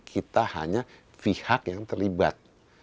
kita hanya pihak yang terlibat